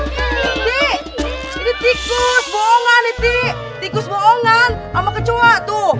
tik ini tikus bohongan nih tikus bohongan sama kecoa tuh